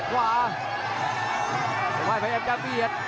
ต้องบอกว่าคนที่จะโชคกับคุณพลน้อยสภาพร่างกายมาต้องเกินร้อยครับ